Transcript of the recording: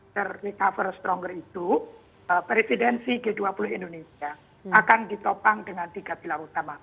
ter recover stronger itu presidensi g dua puluh indonesia akan ditopang dengan tiga pilar utama